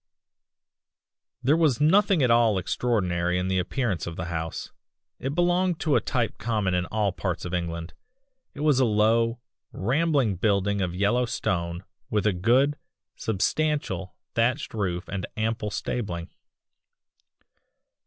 "There was nothing at all extraordinary in the appearance of the house; it belonged to a type common in all parts of England. It was a low, rambling building of yellow stone with a good, substantial, thatched roof and ample stabling.